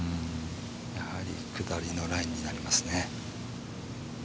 やはり下りのラインになりますね。